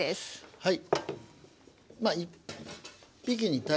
はい。